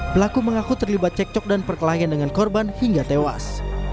pelaku mengaku terlibat cekcok dan perkelahian dengan korban hingga tewas